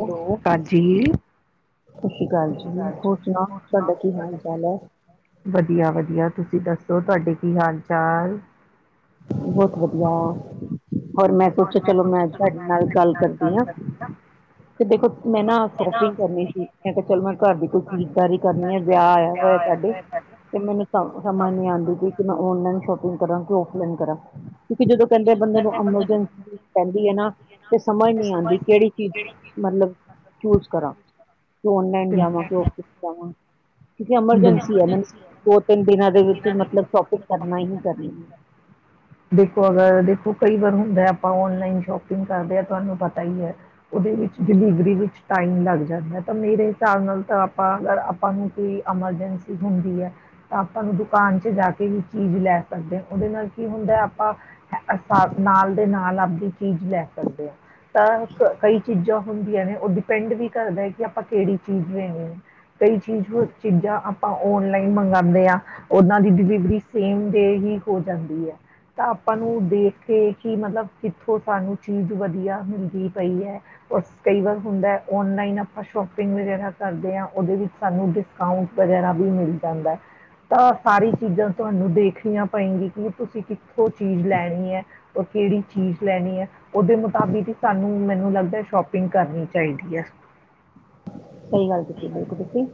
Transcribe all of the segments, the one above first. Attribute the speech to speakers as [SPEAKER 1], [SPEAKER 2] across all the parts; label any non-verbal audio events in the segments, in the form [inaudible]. [SPEAKER 1] Hello, ਹਾਂਜੀ।
[SPEAKER 2] ਸਤਿ ਸ਼੍ਰੀ ਅਕਾਲ ਜੀ, ਹੋਰ ਸੁਨਾਓ ਤੁਆਡਾ ਕੀ ਹਾਲ-ਚਾਲ ਐ?
[SPEAKER 1] ਵਦੀਆ-ਵਦੀਆ ਤੁਸੀਂ ਦੱਸੋ, ਤੁਆਡੇ ਕੀ ਹਾਲ-ਚਾਲ?
[SPEAKER 2] ਬਹੋਤ ਵਧੀਆ ਹੋਰ ਮੈਂ
[SPEAKER 1] ਹੋਰ ਮੈਂ ਸੋਚਿਆ ਚਲੋ, ਮੈਂ ਤੁਆਡੇ ਨਾਲ ਗੱਲ ਕਰਦੀ ਆਂ।
[SPEAKER 2] ਤੇ ਦੇਖੋ ਮੈਂ ਨਾ ਸ਼ੋਪਿੰਗ ਕਰਨੀ ਸੀ ਮੈਂ ਕੇਆ ਚਲੋ, ਮੈਂ ਘਰ ਦੀ ਕੋਈ ਖਰੀਦਦਾਰੀ ਕਰਨੀ ਆ ਵਿਯਾ ਆਯਾ ਹੋਯਾ ਸਾਡੇ। ਤੇ ਮੈਨੂੰ ਤਾਂ ਸਮਝ ਨੀ ਆਂਦੀ ਕਿ ਕੀ ਮੈਂ ਔਨਲਾਈਨ ਸ਼ੋਪਿੰਗ ਕਰਾਂ ਕਿ ਔਫਲਾਈਨ। ਕੀ ਕਰਾ, ਕਿਉਂਕਿ ਜਦੋਂ ਕੈਂਦੇ ਬੰਦੇ ਨੂੰ ਐਮਰਜੈਂਸੀ ਪੈਂਦੀ ਏਨਾ ਫੇਰ ਸਮਝ ਨੀ ਆਂਦੀ ਕੇੜੀ ਚੀਜ ਮਤਲਬ ਚੂਜ਼ ਕਰਾਂ। ਔਨਲਾਇਨ ਜਾਵਾਂ ਕਿ ਔਫਲਾਈਨ ਜਾਵਾਂ। ਕਿਉਂਕਿ ਐਮਰਜੈਂਸੀ ਏਨਾ ਮੈਨੂੰ। ਦੋ-ਤਿੰਨ ਦਿਨਾਂ ਦੇ ਵਿੱਚ ਮਤਲਬ ਸ਼ੋਪਿੰਗ ਕਰਨਾ ਹੀ ਕਰਨੀਏ। [inaudible]
[SPEAKER 1] ਦੇਖੋ, ਅਗਰ ਦੇਖੋ ਕਈ ਵਾਰ ਹੁੰਦਾ ਆਪਾਂ ਔਨਲਾਈਨ ਸ਼ੋਪਿੰਗ ਕਰਦੇ ਆਂ ਤੁਆ ਨੂੰ ਪਤਾ ਈਏ ਓਦੇ ਵਿੱਚ ਡਿਲੀਵਰੀ ਵਿੱਚ ਟਾਈਮ ਲੱਗ ਜਾਂਦੈ ਤਾਂ ਮੇਰੇ ਹਿਸਾਬ ਨਾਲ ਤਾਂ ਆਪਾਂ ਅਗਰ ਆਪਾਂ ਨੂੰ ਕੀ ਐਮਰਜੈਂਸੀ ਹੁੰਦੀ ਐ ਆਪਾਂ ਨੂੰ ਦੁਕਾਨ ਚ ਜਾ ਕੇ ਵੀ ਚੀਜ਼ ਲੈ ਸਕਦੇ, ਓਦੇ ਨਾਲ ਕੀ ਹੁੰਦਾ ਆਪਾਂ ਅਸਾਥ ਨਾਲ ਦੇ ਨਾਲ ਆਪਦੀ ਚੀਜ਼ ਲੈ ਸਕਦੇ ਓ। ਤਾਂਕ ਕਈ ਚੀਜ਼ਾਂ ਹੁੰਦੀਆਂ ਨੇ, ਓ ਡਿਪੈਂਡ ਵੀ ਕਰਦਾ ਐ ਕਿ ਆਪਾਂ ਕੇੜੀ ਚੀਜ਼ ਲੈਣੀ ਐ। ਕਈ ਚੀਜ਼ ਹੁਰ ਚੀਜ਼ਾਂ ਆਪਾਂ ਔਨਲਾਈਨ ਮੰਗਾਂਦੇ ਆਂ। ਓਨ੍ਹਾਂ ਦੀ ਡਿਲੀਵਰੀ ਸੇਮ ਡੇ ਹੀ ਹੋ ਜਾਂਦੀ ਐ। ਤਾਂ ਆਪਾਂ ਨੂੰ ਦੇਖ ਕੇ ਕੀ ਮਤਲਬ ਕਿੱਥੋਂ ਸਾਨੂੰ ਚੀਜ਼ ਵਧੀਆ ਮਿਲਦੀ ਪਈ ਐ। ਓਸ ਕਈ ਵਾਰ ਹੁੰਦਾ, ਓਨਲਾਈਨ ਆਪਾਂ ਸ਼ੋਪਿੰਗ ਵਗੈਰਾ ਕਰਦੇ ਆਂ, ਓਦੇ ਵਿੱਚ ਸਾਨੂੰ ਡਿਸ ਅਕਾਊਂਂਟ ਵਗੈਰਾ ਵੀ ਮਿਲ ਜਾਂਦਾ। ਤਾਂ ਸਾਰੀ ਚੀਜ਼ਾਂ ਤੁਆਨੂੰ ਦੇਖਣੀਆਂ ਪਏਗੀ, ਕੀ ਤੁਸੀਂ ਕਿੱਥੋਂ ਚੀਜ਼ ਲੈਣੀ ਐ। ਓ ਕੇੜੀ ਚੀਜ਼ ਲੈਣੀ ਐ। ਓਦੇ ਮੁਤਾਬਿਕ ਈ ਸਾਨੂੰ, ਮੈਨੂੰ ਲੱਗਦਾ ਸ਼ੋਪਿੰਗ ਕਰਨੀ ਚਾਈਦੀ ਐ।
[SPEAKER 2] ਸਈ ਗੱਲ ਕੀਤੀ ਬਿਲਕੁਲ ਤੁਸੀਂ।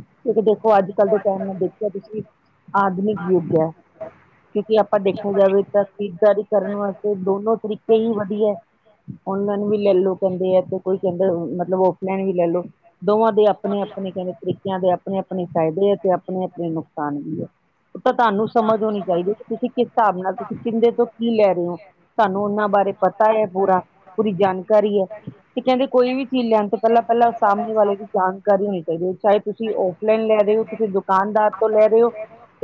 [SPEAKER 2] ਕਿਉਂਕਿ ਦੇਖੋ, ਅੱਜ-ਕਲ ਦੇ ਟਾਈਮ ਨਾਲ ਦੇਖਿਆ ਤੁਸੀਂ ਆਧੁਨਿਕ ਯੁੱਗ ਐ। ਕਿਉਂਕਿ ਆਪਾਂ ਦੇਖਿਆ ਜਾਵੇ ਤਾਂ ਖਰੀਦਦਾਰੀ ਕਰਨ ਵਾਸਤੇ ਦੋਨੋਂ ਤਰੀਕੇ ਹੀ ਵਧੀਆ। ਔਨਲਾਈਨ ਵੀ ਲੈ ਲੋ ਕੈਂਦੇ ਆ ਤੇ ਕੋਈ ਕੈਂਦਾ ਅਂ ਮਤਲਬ ਓ ਲੈਣੀ ਲੈ ਲੋ, ਦੋਵਾਂ ਦੀ ਆਪਣੇ-ਆਪਣੇ ਕੈਂਦੇ ਤਰੀਕਿਆਂ ਤੇ ਆਪ ਆਪਣੇ-ਆਪਣੇ ਫ਼ਾਇਦੇ ਆ ਤੇ ਆਪਣੇ-ਆਪਣੇ ਨੁਕਸਾਨ ਵੀ ਐ, ਤਾ ਤਾਨੂੰ ਸਮਝ ਹੋਣੀ ਚਾਈਦੀ ਕਿ ਤੁਸੀਂ ਕਿਸ ਹਿਸਾਬ ਨਾਲ ਤੁਸੀਂ ਕਿੰਦੇ ਤੋਂ ਕੀ ਲੈ ਰੇਂ ਓਂ। ਤਾਨੂੰ ਓਨਾਂ ਬਾਰੇ ਪਤਾ ਐ ਪੂਰਾ, ਪੂਰੀ ਜਾਣਕਾਰੀ ਐ ਤੇ ਕੈਂਦੇ ਕੋਈ ਵੀ ਚੀਜ਼ ਲੈਣ ਤੇ ਪੈਲਾਂ ਪੈਲਾਂ ਸਾਹਮਣੇ ਵਾਲੇ ਦੀ ਜਾਣਕਾਰੀ ਹੋਣੀ ਚਾਈਦੀ ਐ। ਚਾਏ ਤੁਸੀਂ ਔਫਲਾਈਨ ਲੈ ਰੇ ਓ, ਕਿਸੇ ਦੁ ਕਾਨਦਾਰ ਤੋਂ ਲੈ ਰੇ ਓ।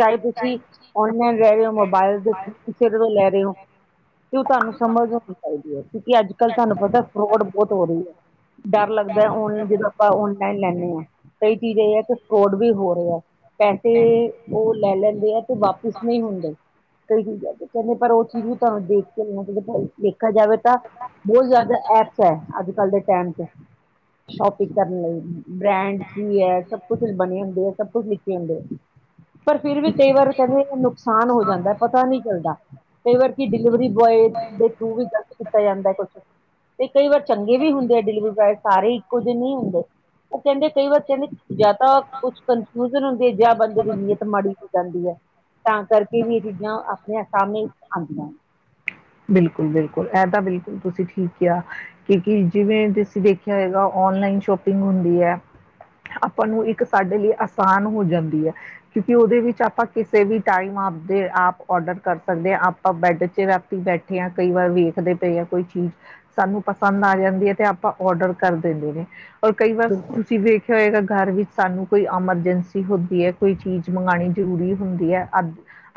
[SPEAKER 2] ਚਾਏ ਤੁਸੀਂ ਔਨਲਾਈਨ ਰੈ ਰੇਓ ਮੋਬਾਇਲ ਦੇ [unintelligible] ਤੋਂ ਲੈ ਰੇ ਓਂ। ਕਿਉਂ ਤਾਨੂੰ ਸਮਝ ਹੋਣੀ ਚਾਈਦੀ ਐ ਕਿਉਂਕਿ ਅੱਜ-ਕਲ ਤਾਨੂੰ ਪਤਾ ਫਰੋਡ ਬੋਤ ਹੋ ਰੀ ਐ। ਮੈਨੂੰ ਲੱਗਦਾ ਔਨ ਆਪਾਂ ਔਨਲਾਈਨ ਲੈਂਣੇ ਆਂ, ਕਈ ਚੀਜ਼ ਏ ਆ ਕਿ ਫਰੋਡ ਵੀ ਹੋ ਰੇ ਆ। ਪੈਸੇ ਓ ਲੈ ਲੈਂਦੇ ਆ ਤੇ ਵਾਪਿਸ ਨਈਂ ਹੁੰਦੇ, ਕਈ ਚੀਜਾਂ ਤੇ। ਕੈਂਦੇ ਪਰ ਉਹ ਚੀਜ਼ ਨੀਂ ਤਾਨੂੰ ਦੇਖ ਕੇ ਲੈਣਾ ਚਾਈਦਾ। [unintelligible] ਦੇਖਿਆ ਜਾਵੇ ਤਾਂ। ਬੋਤ ਜ਼ਿਆਦਾ ਐਪਸ ਐ, ਅੱਜ-ਕਲ ਦੇ ਟੈਮ ਤੇ ਔਪੀਸ ਕਰਨ ਲਈ ਬ੍ਰੈਂਡ ਕੀ ਐ, ਸਭ ਕੁਛ ਬਣੇ ਹੁੰਦੇ ਆ, ਸਭ ਕੁਛ ਲਿਖੇ ਹੁੰਦੇ ਆ। ਪਰ ਫਿਰ ਵੀ ਕਈ ਵਾਰ ਕੈਂਦੇ ਨੁਕਸਾਨ ਹੋ ਜਾਂਦਾ ਪਤਾ ਨ੍ਹੀ ਚੱਲਦਾ। ਕਈ ਵਾਰ ਕੀ ਡਲੀਵਿਰੀ ਬੋਏ ਦੇ ਥਰੂ ਵੀ ਕੀਤਾ ਜਾਂਦਾ ਕੁੱਛ ਤੇ ਕਈ ਵਾਰ ਚੰਗੇ ਵੀ ਹੁੰਦੇ ਆ ਡਿਲੀਵਰੀ ਬਾਏ, ਸਾਰੇ ਇੱਕੋ ਜੇ ਨ੍ਹੀਂ ਹੁੰਦੇ। ਓ ਕੈਂਦੇ ਕਈ ਵਾਰ ਕੈਂਦੇ ਜਾਂ ਤਾਂ ਕੁਛ ਕਨਫਿਊਜ਼ਨ ਹੁੰਦੀ ਐ ਜਾਂ ਬੰਦੇ ਦੀ ਨੀਅਤ ਮਾ ਮਾੜੀ ਹੋ ਜਾਂਦੀ ਐ ਤਾਂ ਕਰਕੇ ਵੀ ਏ ਚੀਜ਼ਾਂ ਆਪਣੇ ਸਾਹਮਣੇ ਆਂਦੀਆਂ।
[SPEAKER 1] ਬਿਲਕੁਲ ਬਿਲਕੁਲ ਐ ਤਾਂ ਬਿਲਕੁਲ ਤੁਸੀਂ ਠੀਕ ਕਿਆ। ਕਿਉਕਿ ਜਿਵੇਂ ਤੁਸੀਂ ਦੇਖਿਆ ਹੋਏਗਾ, ਔਨਲਾਈਨ ਸ਼ੋਪਿੰਗ ਹੁੰਦੀ ਐ ਆਪਾਂ ਨੂੰ ਇੱਕ ਸਾਡੇ ਲਈ ਆਸਾਨ ਹੋ ਜਾਂਦੀ ਐ। ਕਿਉਂਕਿ ਓਦੇ ਵਿੱਚ ਆਪਾਂ ਕਿਸੇ ਵੀ ਟਾਈਮ ਆਪਦੇ ਆਪ ਔਡਰ ਕਰ ਸਕਦੇ ਆਂ, ਆਪਾਂ ਬੈਡ ਚ ਬੈਠੇ ਆ ਕਈ ਵਾਰ ਵੇਖਦੇ ਪਏ ਆ ਕੋਈ ਚੀਜ਼ ਸਾਨੂੰ ਪਸੰਦ ਆ ਜਾਂਦੀ ਐ ਤੇ ਆਪਾਂ ਔਡਰ ਕਰ ਦਿੰਦੇ ਨੇ, ਔਰ ਕਈ ਵਾਰ ਤੁਸੀਂ ਵੇਖਿਆ ਹੋਏਗਾ ਘਰ ਵਿੱਚ ਸਾਨੂੰ ਕੋਈ ਐਮਰਜੈਂਸੀ ਹੁੰਦੀ ਐ, ਕੋਈ ਚੀਜ਼ ਮੰਗਾਣੀ ਜ਼ਰੂਰੀ ਹੁੰਦੀ ਐ। ਅਭ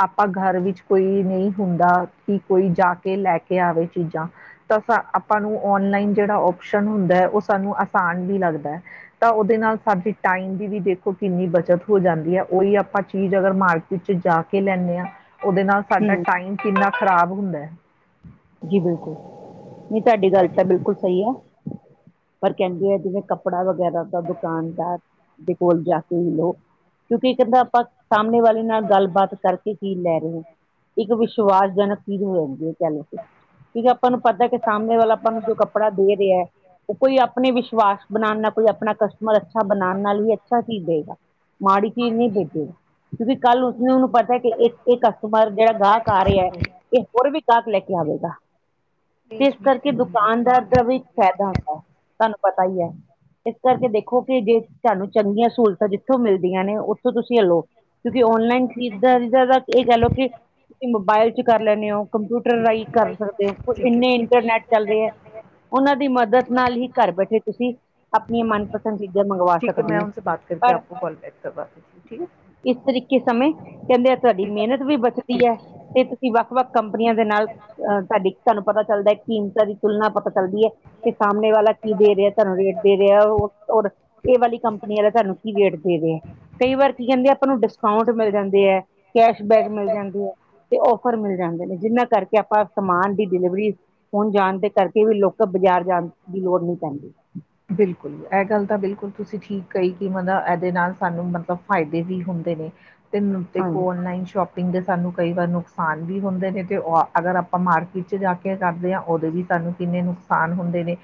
[SPEAKER 1] ਆਪਾਂ ਘਰ ਵਿੱਚ ਕੋਈ ਨਈਂ ਹੁੰਦਾ। ਠੀ ਕੋਈ ਜਾਕੇ ਲੈਕੇ ਆਵੇ ਚੀਜ਼ਾਂ ਤਾਂ ਸਾ ਆਪਾਂ ਨੂੰ ਔਨਲਾਈਨ ਜੇੜਾ ਓਪਸ਼ਨ ਹੁੰਦਾ ਐ, ਓ ਸਾਨੂੰ ਆਸਾਨ ਵੀ ਲੱਗਦਾ। ਤਾਂ ਓਦੇ ਨਾਲ ਸਾਡੀ ਟਾਈਮ ਦੀ ਵੀ ਦੇਖੋ ਕਿੰਨੀ ਬੱਚਤ ਹੋ ਜਾਂਦੀ ਐ। ਓਈ ਆਪਾਂ ਚੀਜ਼ ਅਗਰ ਮਾਰਕੀ ਵਿੱਚ ਕੇ ਲੈਂਣੇ ਆਂ, ਓਦੇ ਨਾਲ ਸਾਡਾ
[SPEAKER 2] ਹਮ
[SPEAKER 1] ਟਾਈਮ ਕਿੰਨਾ ਖਰਾਬ ਹੁੰਦਾ ਐ।
[SPEAKER 2] ਜੀ ਬਿਲਕੁਲ ਨਈ ਤੁਹਾਡੀ ਗੱਲ ਤਾਂ ਬਿਲਕੁਲ ਸਹੀ ਐ। ਪਰ ਕਹਿੰਦੇ ਆ ਜਿਵੇਂ ਕੱਪੜਾ ਵਗੈਰਾ ਤਾਂ ਦੁਕਾਨਦਾਰ ਤੇ ਕੋਲ ਜਾ ਕੇ ਹੀ ਲਓ। ਕਿਉਂਕਿ ਕਹਿੰਦਾ ਆਪਾਂ ਸਾਹਮਣੇ ਵਾਲੇ ਨਾਲ ਗੱਲਬਾਤ ਕਰਕੇ ਕੀ ਲੈ ਰਹੇ ਹੋ, ਇੱਕ ਵਿਸ਼ਵਾਸਜਨਕ ਚੀਜ਼ ਹੋ ਜਾਂਦੀ ਹੈ ਚੱਲ ਕੇ ਜਦੋ ਆਪਾਂ ਨੂੰ ਪਤਾ ਕਿ ਸਾਹਮਣੇ ਵਾਲਾ ਆਪਾਂ ਨੂੰ ਜੋ ਕੱਪੜਾ ਦੇ ਰਿਹਾ ਐ ਕੋਈ ਆਪਣੇ ਵਿਸ਼ਵਾਸ ਬਣਾਉਣ ਨਾਲ ਕੋਈ ਆਪਣਾ ਕਸਟਮਰ ਅੱਛਾ ਬਣਾਉਣ ਨਾਲ ਹੀ ਅੱਛਾ ਚੀਜ਼ ਦਏਗਾ। ਮਾੜੀ ਚੀਜ ਨਹੀਂ ਵੇਚੇਗਾ ਕਿਉਂਕਿ ਕੱਲ ਉਸਨੂੰ ਪਤਾ ਪਹਿਲੇ ਇੱਕ ਇੱਕ ਕਸਟਮਰ ਜਿਹੜਾ ਗਾਹਕ ਆ ਰਿਹਾ ਐ,
[SPEAKER 1] ਹੈਲੋ।
[SPEAKER 2] ਇਹ ਹੋਰ ਵੀ ਗਾਹਕ ਲੈ ਕੇ ਆਵੇਗਾ। ਜਿਸ ਕਰਕੇ ਦੁਕਾਨਦਾਰ ਦਾ ਵੀ ਫਾਇਦਾ ਹੁੰਦਾ। ਤਾਨੂੰ ਪਤਾ ਹੀ ਐ ਇਸ ਕਰਕੇ ਦੇਖੋ ਕਿ ਜੇ ਤਾਨੂੰ ਚੰਗੀਆਂ ਸਹੂਲਤਾਂ ਜਿੱਥੋਂ ਮਿਲਦੀਆਂ ਨੇ ਉੱਥੋਂ ਤੁਸੀਂ ਲੋ ਕਿਉਂਕਿ ਔਨਲਾਈਨ
[SPEAKER 1] ਓਕੇ
[SPEAKER 2] ਖਰੀਦਾਰੀ ਜਿਆਦਾ ਇਹ ਕਹਿ ਲਓ ਕਿ ਤੁਸੀਂ ਮੋਬਾਇਲ ਚ ਕਰ ਲੈਣੇ ਉ ਕੰਪਿਊਟਰ ਰਾਹੀਂ ਕਰ ਸਕ
[SPEAKER 1] ਠੀਕ ਹੈ।
[SPEAKER 2] ਇੰਨੇ ਇੰਟਰਨੈੱਟ ਚੱਲਦੇ ਐ ਉਹਨਾਂ ਦੀ ਮਦਦ ਨਾਲ ਹੀ ਘਰ ਬੈਠੇ ਤੁਸੀਂ ਆਪਣੇ ਮਨ ਪਸੰਦ ਚੀਜ਼ਾਂ ਮੰਗਵਾ
[SPEAKER 1] ਠੀਕ ਹੈ
[SPEAKER 2] ਸਕਦੇ
[SPEAKER 1] ਮੈਂ
[SPEAKER 2] ਹੋ।
[SPEAKER 1] ਉਨਸੇ ਬਾਤ ਕਰਕੇ
[SPEAKER 2] ਪਰ
[SPEAKER 1] ਆਪ ਕੋ ਕੋਲ ਬੈਕ ਕਰਵਾ ਦੇਤੀ ਹੂੰ ਠੀਕ ਹੈ।
[SPEAKER 2] ਇਸ ਤਰੀਕੇ ਸਮੇਂ ਕਹਿੰਦੇ ਆ ਤੁਹਾਡੀ ਮਿਹਨਤ ਵੀ ਬਚਦੀ ਹੈ
[SPEAKER 1] ਠੀਕ
[SPEAKER 2] ਤੇ ਤੁਸੀਂ ਵਾ ਵੱਖ ਕੰਪਨੀਆਂ ਦੇ ਨਾਲ ਅਹ ਤੁਹਾਡੀ ਤੁਹਾਨੂੰ ਪਤਾ ਚੱਲਦਾ ਕੀਮਤਾਂ ਦੀ ਤੁਲਨਾ ਪਤਾ ਚੱਲਦੀ ਐ ਤੇ ਸਾਹਮਣੇ ਵਾਲਾ ਕੀ ਦੇ ਰਿਹਾ ਤੁਹਾਨੂੰ ਰੇਟ ਦੇ ਰਿਹਾ ਉਹ ਔਰ ਇਹ ਵਾਲੀ ਕੰਪਨੀਆਂ ਤੁਹਾਨੂੰ ਕੀ ਰੇਟ ਦੇ ਰਹੇ ਆ। ਕਈ ਵਾਰ ਕੀ ਕਹਿੰਦੇ ਆ ਆਪਾਂ ਨੂੰ ਡਿਸਕਾਊਂਟ ਮਿਲ ਜਾਂਦੇ ਐ ਕੈਸ਼ਬੈਕ ਮਿਲ ਜਾਂਦੇ ਐ। ਤੇ ਔਫਰ ਮਿਲ ਜਾਂਦੇ ਨੇ ਜਿਹਨਾਂ ਕਰਕੇ ਆਪਾਂ ਸਮਾਨ ਦੀ ਡਿਲੀਵਰੀ ਹੋਣ ਜਾਣ ਦੇ ਕਰਕੇ ਵੀ ਲੋਕ ਬਾਜ਼ਾਰ ਜਾਣ ਦੀ ਲੋੜ ਨਈ ਪੈਂਦੀ।
[SPEAKER 1] ਬਿਲਕੁਲ ਇਹ ਗੱਲ ਤਾਂ ਬਿਲਕੁਲ ਤੁਸੀਂ ਠੀਕ ਕਹੀ ਕਿ ਮਨਾਂ ਇਹਦੇ ਨਾਲ ਸਾਨੂੰ ਮਤਲਬ ਫਾਇਦੇ ਵੀ ਹੁੰਦੇ ਨੇ ਤੇ‌‌ ਨ
[SPEAKER 2] ਹਾਂਜੀ
[SPEAKER 1] ਦੇਖੋ ਔਨਲਾਈਨ ਸ਼ੋਪ ਪਿੰਗ ਦੇ ਸਾਨੂੰ ਕਈ ਵਾਰ ਨੁਕਸਾਨ ਵੀ ਹੁੰਦੇ ਨੇ ਤੇ ਅਗਰ ਆਪਾਂ ਮਾਰਕੀਟ ਚ ਜਾ ਕੇ ਕਰਦੇ ਹਾਂ ਉਹਦੇ ਵੀ ਸਾਨੂੰ ਕਿੰਨੇ ਨੁਕਸਾਨ ਹੁੰਦੇ ਨੇ।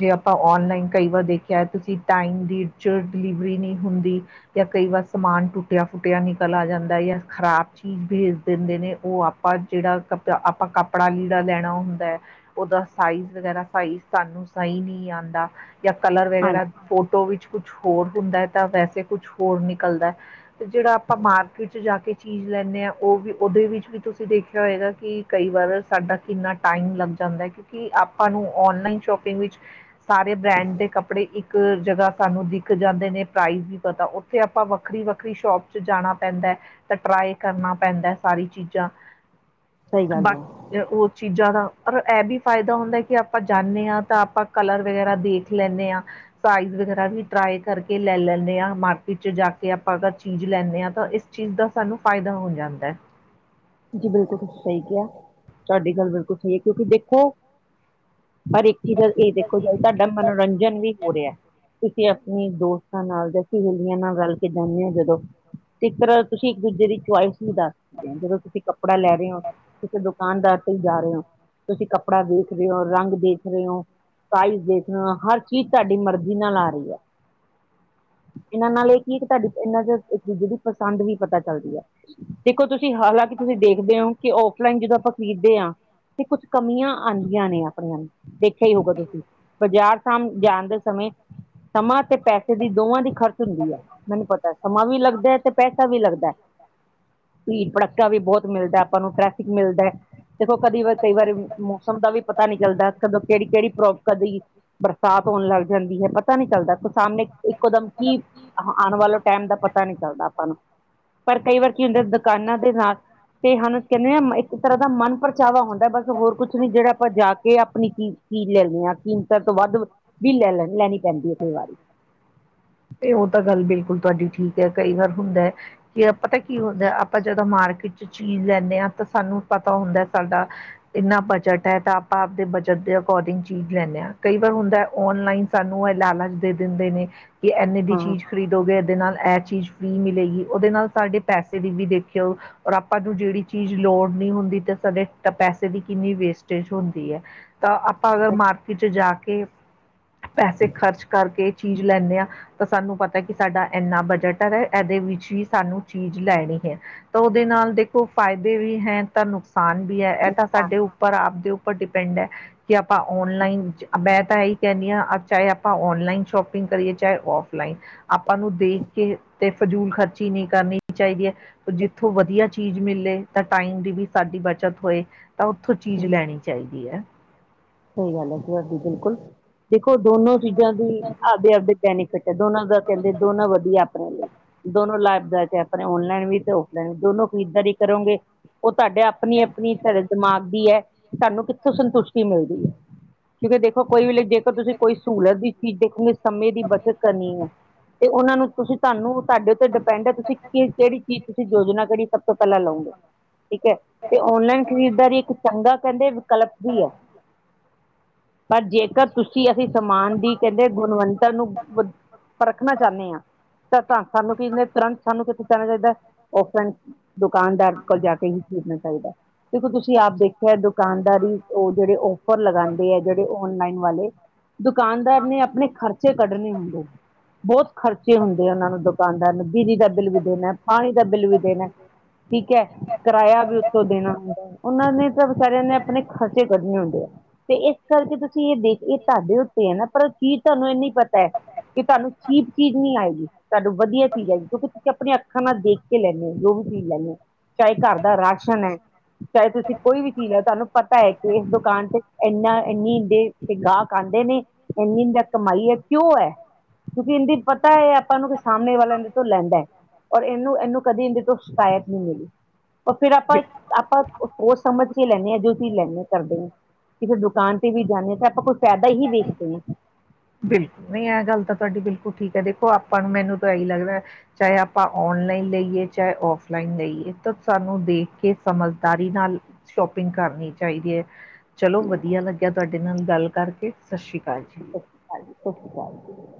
[SPEAKER 1] ਜੇ ਆਪਾਂ ਔਨਲਾਈਨ ਕਈ ਵਾਰ ਦੇਖਿਆ ਤੁਸੀਂ ਟਾਈਮ ਦੀ 'ਚ ਡਿਲੀਵਰੀ ਨਹੀਂ ਹੁੰਦੀ। ਜਾਂ ਕਈ ਵਾਰ ਸਮਾਨ ਟੁਟਿਆ ਫੁੱਟਿਆ ਨਿਕਲ ਆ ਜਾਂਦਾ ਜਾਂ ਖ਼ਰਾਬ ਚੀਜ਼ ਭੇਜ ਦਿੰਦੇ ਨੇ ਉਹ ਆਪ। ਪਰ ਜਿਹੜਾ ਕਪ ਆਪਾਂ ਕੱਪੜਾ ਲੀੜਾ ਲੈਣਾ ਹੁੰਦਾ। ਉਹਦਾ ਸਾਈਜ਼ ਵਗੈਰਾ ਸਾਈਜ਼ ਸਾਨੂੰ ਸਹੀ ਨਹੀਂ ਆਉਂਦਾ ਜਾਂ ਕਲਰ
[SPEAKER 2] ਹਾਂਜੀ
[SPEAKER 1] ਵਗੈਰਾ ਫੋਟੋ ਵਿੱਚ- ਕੁਛ ਹੋਰ ਹੁੰਦਾ ਤਾਂ ਵੈਸੇ ਕੁਛ ਹੋਰ ਨਿਕਲਦਾ। ਜਿਹੜਾ ਆਪਾਂ ਮਾਰਕੀਟ ਚ ਜਾ ਕੇ ਚੀਜ਼ ਲੈਂਣੇ ਆਾਂ ਉਹ ਵੀ ਉਹਦੇ ਵਿੱਚ ਵੀ ਤੁਸੀਂ ਦੇਖਿਆ ਹੋਏਗਾ। ਕਿ ਕਈ ਵਾਰ ਸਾਡਾ ਕਿੰਨਾ ਟਾਈਮ ਲੱਗ ਜਾਂਦਾ ਕਿਉਂਕਿ ਆਪ ਹਾਨੂੰ ਔਨਲਾਈਨ ਸ਼ੋਪਿੰਗ ਵਿੱਚ ਸਾਰੇ ਬ੍ਰੈਂਡ ਦੇ ਕੱਪੜੇ ਇੱਕ ਇੱਕ ਜਗ੍ਹਾ ਸਾਨੂੰ ਦਿਖ ਜਾਂਦੇ ਨੇ ਪ੍ਰਾਈਜ਼ ਨਈ ਪਤਾ ਉੱਥੇ ਆਪਾਂ ਵੱਖਰੀ ਵੱਖਰੀ ਸ਼ੋਪ 'ਚ ਜਾਣਾ ਪੈਂਦਾ। ਤੇ ਟਰਾਈ ਕਰਨਾ ਪੈਂਦਾ ਸਾਰੀ ਚੀਜ਼ਾਂ।
[SPEAKER 2] ਸਹੀ ਗੱਲ
[SPEAKER 1] ਬਾਕ
[SPEAKER 2] ਹੈ
[SPEAKER 1] ਉਹ ਚੀਜ਼ਾਂ ਦਾ ਪਰ ਇਹ ਵੀ ਫਾਇਦਾ ਹੁੰਦਾ ਕਿ ਆਪਾਂ ਜਾਂਨੇ ਹਾਂ ਤਾਂ ਆਪਾਂ ਕਲਰ ਵਗੈਰਾ ਦੇਖ ਲੈਂਨੇ ਹਾਂ। ਸਾਈਜ਼ ਵਗੈਰਾ ਵੀ ਟਰਾਈ ਕਰਕੇ ਲੈ ਲੈਂਨੇ ਹਾਂ ਮਾਰਕੀਟ 'ਚ ਜਾ ਕੇ ਆਪਾਂ ਚੀਜ਼ ਲੈਂਨੇ ਹਾਂ ਤਾਂ ਇਸ ਚੀਜ਼ ਦਾ ਸਾਨੂੰ ਫਾਇਦਾ ਹੋ ਜਾਂਦਾ ਹੈ।
[SPEAKER 2] ਜੀ ਬਿਲਕੁਲ ਤੁਸੀਂ ਸਹੀ ਕਿਹਾ ਤੁਹਾਡੀ ਗੱਲ ਬਿਲਕੁਲ ਸਹੀ ਹੈ। ਕਿਉਂਕਿ ਦੇਖੋ? ਪਰ ਇੱਕ ਚੀਜ਼ ਦਾ ਇਹ ਦੇਖੋ ਤਾਡਾ ਮਨੋਰੰਜਨ ਵੀ ਹੋ ਰਿਹਾ। ਤੁਸੀਂ ਆਪਣੇ ਦੋਸਤਾਂ ਨਾਲ ਜਾਂ ਸਹੇਲੀਆਂ ਨਾਲ ਰਲ ਕੇ ਜਾਂਦੇ ਹੋ ਜਦੋਂ। ਇਸ ਤਰਾ ਤੁਸੀਂ ਇੱਕ ਦੂਜੇ ਦੀ ਚੁਆਇਸ ਵੀ ਦੱਸ ਸਕਦੇ ਜਦੋਂ ਤੁ ਤੁਸੀਂ ਕੱਪੜਾ ਲੈ ਰਹੇ ਹੋ ਕਿਸੇ ਦੁਕਾਨਦਾਰ ਤੇ ਹੀ ਜਾ ਰਹੇ ਹੋ। ਤੁਸੀਂ ਕੱਪੜਾ ਦੇਖ ਰਹੇ ਹੋ। ਰੰਗ ਦੇਖ ਰਹੇ ਹੋ। ਪ੍ਰਾਈਜ਼ ਦੇਖਣਾ ਹਰ ਚੀਜ਼ ਤੁਹਾਡੀ ਮਰਜ਼ੀ ਨਾਲ ਆ ਰਹੀ ਹੈ ਇਹਨਾਂ ਨਾਲ ਇਹ ਕੀ ਤੁਹਾਡੀੇ ਇਹਨਾਂ ਇੱਕ ਦੂਜੇ ਪਸੰਦ ਵੀ ਪਤਾ ਚੱਲਦੀ ਹੈ ਦੇਖੋ ਤੁਸੀਂ ਹਾਲਾਂਕਿ ਤੁਸੀਂ ਦੇਖਦੇ ਹੋ ਕਿ ਉਫ ਲਾਈਨ ਜਦੋਂ ਆਪਾਂ ਖਰੀਦੇ ਹਾਂ ਤੇ ਕੁਛ ਕਮੀਆਂ ਆਉਂਦੀਆਂ ਨੇ ਆਪਣੀਆਂ ਨੂੰ, ਦੇਖਿਆ ਹੀ ਹੋਗਾ ਤੁਸੀਂ ਬਾਜ਼ਾਰ ਸ਼ਾਮ ਜਾਣ ਦੇ ਸਮੇਂ‌, ਸਮਾਂ ਤੇ ਪੈਸੇ ਦੀ ਦੋਵਾਂ ਦੀ ਖਰਚ ਹੁੰਦੀ ਹੈ। ਮੈਨੂੰ ਪਤਾ ਸਮਾਂ ਵੀ ਲੱਗਦਾ ਤੇ ਵੀ ਲੱਗਦਾ ਭੀੜ ਭੜ ਇਟਾ ਵੀ ਬਹੁਤ ਮਿਲਦਾ ਆਪਾਂ ਨੂੰ ਟ੍ਰੈਫਿਕ ਮਿਲਦਾ। ਦੇਖੋ ਕਦੇ ਕਈ ਵਾਰੀ ਮੌਸਮ ਦਾ ਵੀ ਪਤਾ ਨਹੀਂ ਚੱਲਦਾ ਕਦੋਂ ਕਿਹੜੀ ਕਿਹੜੀ ਪ੍ਰੋ ਆ ਜਾਏਗੀ ਬਰਸਾਤ ਹੋਣ ਲੱਗ ਜਾਂਦੀ ਹੈ ਪਤਾ ਨਹੀਂ ਚੱਲਦਾ ਸਾਮ੍ਹਣੇ ਨੇ ਇੱਕੋ ਦਮ ਕੀ ਆਉਣ ਵਾਲੋਂ ਟਾਈਮ ਦਾ ਪਤਾ ਨੀ ਚੱਲਦਾ ਆਪਾਂ ਨੂੰ ਪਰ ਕਈ ਵਾਰ ਕੀ ਹੁੰਦੇ ਦੁਕਾਨਾਂ ਦੇ ਨਾਲ, ਤੇ ਹੁ ਕਹਿੰਦੇ ਨੇ ਇੱਕ ਤਰ੍ਹਾਂ ਮਨ ਪਰਚਾਵਾ ਹੁੰਦਾ ਬਸ ਹੋਰ ਕੁਛ ਨੀ ਜਿਹੜਾ ਆਪਾਂ ਜਾ ਕੇ ਆਪਣੀ ਕੀ ਚੀ ਲੈਦੇ ਆ ਕੀਮਤਾਂ ਤੋਂ ਵੱਧ ਵੀ ਲੈ ਲੈ ਲੈਣੀ ਪੈਂਦੀ ਹੈ ਕਈ ਵਾਰੀ।
[SPEAKER 1] ਇਹ ਤਾਂ ਗੱਲ ਬਿਲਕੁਲ ਤੁਹਾਡੀ ਠੀਕ ਹੈ ਕਈ ਵਾਰ ਹੁੰਦਾ ਹੈ। ਕੀ ਪਤਾ ਕੀ ਹੁੰਦਾ ਆਪਾਂ ਜਦੋਂ ਮਾਰਕੀਟ ਚ ਚੀਜ਼ ਲੈਂਦੇ ਹਾਂ ਤਾਂ ਸਾਨੂੰ ਪਤਾ ਹੁੰਦਾ ਸਾਡਾ ਇੰਨਾ ਬਜਟ ਹੈ ਤਾਂ ਆਪਾਂ ਆਪਦੇ ਬਜਟ ਦੇ ਅਕੋਰਡਿੰਗ ਚੀਜ਼ ਲੈਂਦੇ ਹਾਂ ਕਈ ਵਾਰ ਹੁੰਦਾ ਔਨਲਾਈਨ ਸਾਨੂੰ ਇਹ ਲਾਲਚ ਦੇ ਦਿੰਦੇ ਨੇ ਕਿ ਇੰਨੇ ਦੀ
[SPEAKER 2] ਹਾਂ
[SPEAKER 1] ਚੀਜ਼ ਖਰੀਦੋਗੇ ਇਹਦੇ ਨਾਲ ਇਹ ਚੀਜ਼ ਫਰੀ ਮਿਲੇਗੀ ਉਹਦੇ ਨਾਲ ਸਾਡੇ ਪੈਸੇ ਦੀ ਵੀ ਦੇਖਿਓ? ਔਰ ਆਪਾਂ ਨੂੰ ਜਿਹੜੀ ਚੀਜ਼ ਲੋੜ ਨਹੀਂ ਹੁੰਦੀ ਤੇ ਸਾਡੇ ਪੈਸੇ ਦੀ ਕਿੰਨੀ ਵੇਸਟੇਜ ਹੁੰਦੀ ਹੈ। ਤਾਂ ਆਪਾਂ ਅਗਰ ਮਾਰਕੀਟ ਚ ਜਾ ਕੇ ਪੈਸੇ ਖਰਚ ਕਰਕੇ ਚੀਜ਼ ਲੈਂਨੇ ਹਾਂ। ਤਾਂ ਸਾਨੂੰ ਪਤਾ ਕਿ ਸਾਡਾ ਇੰਨਾ ਬਜਟ ਹੈ। ਇਹਦੇ ਵਿੱਚ ਹੀ ਸਾਨੂੰ ਚੀਜ਼ ਲੈਣੀ ਹੈ। ਤਾਂ ਉਹਦੇ ਨਾਲ ਦੇਖੋ ਫਾਇਦੇ ਵੀ ਹੈ ਤਾਂ ਨੁਕਸਾਨ ਵੀ ਹੈ ਇਹ ਤਾਂ ਸਾਡੇ ਉਪ ਪਰ ਆਪ ਦੇ ਉੱਪਰ ਡਿਪੈਂਡ ਹੈ ਕਿ ਆਪਾਂ ਔਨਲਾਈਨ ਚ ਮੈਂ ਤਾਂ ਇਹੀ ਕਹਿੰਦੀ ਹਾਂ ਚਾਹੇ ਆਪਾਂ ਔਨਲਾਈਨ ਸ਼ੋਪਿੰਗ ਕਰੀਏ? ਚਾਹੇ ਉਫ ਲਾਈਨ ਆਪਾਂ ਨੂੰ ਦੇਖ ਕੇ ਤੇ ਫਜੂਲ ਖਰਚੀ ਨਹੀਂ ਕਰਨੀ ਚਾਹੀਦੀ ਹੈ। ਜਿੱਥੋਂ ਵਧੀਆ ਚੀਜ਼ ਮਿਲੇ ਤਾਂ ਟਾਈਮ ਦੀ ਵੀ ਸਾਡੀ ਬੱਚਤ ਹੋਏ। ਤਾਂ ਉੱਥੋਂ ਚੀਜ਼ ਲੈਣੀ ਚਾਹੀਦੀ ਹੈ
[SPEAKER 2] ਸਹੀ ਗੱਲ ਹੈ ਤੁਹਾਡੀ ਬਿਲਕੁਲ, ਦੇਖੋ ਦੋਨੋ ਚੀਜ਼ਾਂ ਦੀ ਆਪਦੇ ਆਪਦੇ ਬੈਨੀਫਿਟ ਹੈ। ਦੋਨਾਂ ਦਾ ਕਹਿੰਦੇ ਦੋਨਾਂ ਵਧੀਆ ਆਪਣੇ ਲਈ। ਦੋਨੋ ਲਾਭਦਾਇਕ ਐ ਪਰ ਔਨਲਾਈਨ ਵੀ ਤੇ ਔਫਲਾਈਨ ਵੀ ਦੋਨੋ ਖਰੀਦਦਾਰੀ ਕਰੋਗੇ। ਉਹ ਤਾਡੇ ਆਪਣੀ ਆਪਣੀ ਤੁਹਾਡੇ ਦਿਮਾਗ ਦੀ ਐ ਤਾਨੂੰ ਕਿੱਥੋਂ ਸੰਤੁਸ਼ਟੀ ਮਿਲਜੋ। ਕਿਉਂਕਿ ਦੇਖੋਂ ਕੋਈ ਵੀ ਜੇਕਰ ਤੁਸੀਂ ਕੋਈ ਸਹੂਲਤ ਦੀ ਚੀਜ਼ ਦੇਖੋਂਗੇ‌। ਸਮੇਂ ਦੀ ਬੱਚਤ ਕਰਨੀ ਹੈ ਤੇ ਉਹਨਾਂ ਨੂੰ ਤੁਸੀਂ ਤਾਨੂੰ ਤਾਡੇ ਤੇ ਡਪਿਡ ਦੇਪੈਂਡ ਤੁਸੀਂ ਕੀ ਕਿਹੜੀ ਕੀ ਚੀਜ਼ ਤੁਸੀਂ ਯੋਜਨਾ ਕਰੀ ਸਭ ਤੋਂ ਪਹਿਲਾਂ ਲਓਂਗੇ। ਠੀਕ ਐ ਔਨਲਾਈਨ ਖਰੀਦਦਾਰੀ ਇੱਕ ਚੰਗਾ ਕਹਿੰਦੇ ਵਿਕਲਪ ਵੀ ਐ। ਪਰ ਜੇਕਰ ਤੁਸੀਂ ਅਸੀਂ ਸਮਾਨ ਦੀ ਕਹਿੰਦੇ ਗੁਣਵੰਨਤਾ ਨੂੰ ਵਧ ਪਰਖਣਾ ਚਾਹਨੇ ਆ ਤਾਂ ਸਾਨੂੰ ਕੀ ਤੁਰੰਤ ਸਾਨੂੰ ਕਿੱਥੇ ਜਾਣਾ ਚਾਹੀਦਾ ਔਫਲਾਈਨ ਦੁਕਾਨਦਾਰ ਕੋਲ ਜਾ ਕੇ ਵੀ ਖਰੀਦਣਾ ਚਾਹੀਦਾ ਇਹ ਤਾਂ ਤੁਸੀਂ ਆਪ ਦੇਖ ਫਿਰ ਦੁਕਾਨਦਾਰੀ ਉਹ ਜਿਹੜੇ ਔਫਰ ਲਗਾਂਦੇ ਆ ਜਿਹੜੇ ਓਨਲਾਈਨ ਵਾਲੇ ਦੁਕਾਨਦਾਰ ਨੇ ਆਪਣੇ ਖਰਚੇ ਕੱਢਣੇ ਹੁੰਦੇ ਨੇ। ਬਹੁਤ ਖਰਚੇ ਹੁੰਦੇ ਆ ਉਹਨਾਂ ਨੂੰ ਦੁਕਾਨਦਾਰ ਨੂੰ ਬਿਜਲੀ ਦਾ ਬਿੱਲ ਵੀ ਦੇਣਾ ਪਾਣੀ ਦਾ ਬਿੱਲ ਵੀ ਦੇਣਾ। ਠੀਕ ਐ ਕਿਰਾਇਆ ਵੀ ਉਤੋਂ ਦੇਣਾ ਹੁੰਦਾ ਐ। ਓਨਾਂ ਨੇ ਤਾਂ ਵਿਚਾਰੇਆਂ ਨੇ ਆਪਣੇ ਖਰਚੇ ਕੱਢਣੇ ਹੁੰਦੇ ਆ, ਤੇ ਏ ਕਰਕੇ ਤੁਸੀਂ ਏ ਦੇਖ ਏ ਧਾਡੇ ਉਤੇ ਐ ਨਾ ਪਰ ਕੀ ਧਾਨੂੰ ਏਨੀ ਪਤਾ ਐ ਕਿ ਧਾਨੂੰ ਚੀਪ ਚੀਜ਼ ਨੀ ਆਏਗੀ, ਧਾਨੂੰ ਵਦੀਆ ਚੀਜ਼ ਆਏਗੀ ਕਿਉਂਕਿ ਤੁਸੀਂ ਆਪਣੇ ਅੱਖਾਂ ਨਾਲ ਦੇ ਖੇ ਲੈਨੇ ਓ ਜੋ ਵੀ ਚੀਜ਼ ਲੈਨੇ ਓ, ਚਾਏ ਘਰ ਦਾ ਰਾਸ਼ਨ ਐ ਚਾਏ ਤੁਸੀਂ ਕੋਈ ਵੀ ਚੀਜ਼ ਆ ਧਾਨੂੰ ਪਤਾ ਏ ਕੇ ਏਸ ਦੁਕਾਨ ਤੇ ਐਨਾ ਏਨੀ ਦੇ ਤੇ ਗਾਹਕ ਆਂਦੇ ਨੇ, ਏਨੀ ਦਾ ਕਮਾਈ ਐ ਕਿਉਂ ਐ। ਕਿਉਂਕਿ ਏਂਦੀ ਪਤਾ ਐ ਏ ਆਪਾਂ ਨੂੰ ਸਾਮਣੇ ਵਾਲਾ ਏਦੇ ਤੋਂ ਲੈਂਦਾ ਐ। ਔਰ ਏਨੂੰ, ਏਨੂੰ ਕਦੀ ਏਂਦੇ ਤੋਂ ਸ਼ਿਕਾਏਤ ਨੀ ਮਿਲੀ। ਓ ਫੇਰ ਆਪਾਂ, ਆਪਾਂ ਓ ਸਮਝ ਕੇ ਲੈਂਣੇ ਆਂ ਜੋ ਚੀਜ਼ ਲੈਂਨੇ ਕਰਦੇ ਆਂ। ਕਿਸੇ ਦੁਕਾਨ ਤੇ ਵੀ ਜਾਨੇ ਆਂ ਤੇ ਆਪਾਂ ਕੋਈ ਫੈਦਾ ਹੀ ਵੇਖਦੇ ਆਂ।
[SPEAKER 1] ਬਿਲ, ਨਈ ਐ ਗੱਲ ਤਾਂ ਧਾਡੀ ਬਿਲਕੁਲ ਠੀਕ ਐ ਦੇਖੋ ਆਪਾਂ ਨੂੰ ਮੇਨੂੰ ਤਾਂ ਐਈ ਲੱਗਦੈ ਚਾਹੇ ਆਪਾਂ ਔਨਲਾਈਨ ਲਈਏ ਚਾਹੇ ਔਫਲਾਈਨ ਲਈਏ ਤਾਂ ਸਾਨੂੰ ਦੇਖ ਕੇ ਸਮਝਦਾਰੀ ਨਾਲ ਸ਼ੋਪਿੰਗ ਕਰਨੀ ਚਾਈਦੀ ਐ। ਚਲੋ ਵਦੀਆ ਲੱਗੇਆ ਧੋਡੇ ਨਾਲ ਗੱਲ ਕਰਕੇ, ਸਛਰੀ ਕਾਲ ਜੀ।
[SPEAKER 2] ਹਾਂਜੀ ਸਛਰੀ ਕਾਲ ਜੀ।